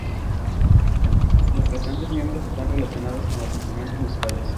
Los restantes miembros están relacionados con los instrumentos musicales.